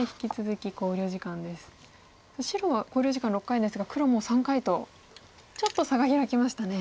白は考慮時間６回ですが黒もう３回とちょっと差が開きましたね。